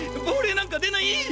ぼうれいなんかでない！